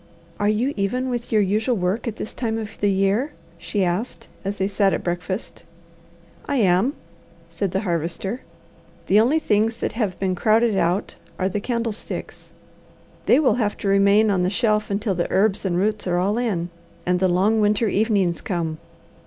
"Are you even with your usual work at this time of the year?" she asked as they sat at breakfast. "I am," said the Harvester. "The only things that have been crowded out are the candlesticks. They will have to remain on the shelf until the herbs and roots are all in, and the long winter evenings come.